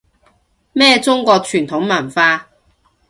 咩中國傳統文化